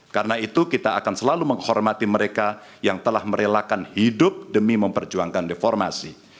karena itu kita akan selalu menghormati mereka yang telah merelakan hidup demi memperjuangkan deformasi